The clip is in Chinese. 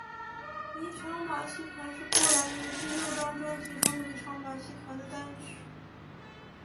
妮裳马戏团是布兰妮第六张专辑中妮裳马戏团的单曲。